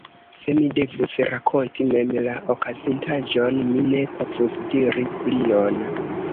Se mi devus rakonti mem la okazintaĵon, mi ne povus diri plion.